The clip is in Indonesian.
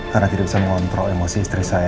karena tidak bisa mengontrol emosi istri saya